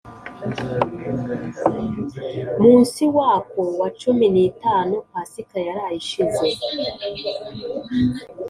Munsi wako wa cumi n itanu pasika yaraye ishize